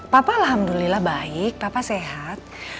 papa alhamdulillah baik bapak sehat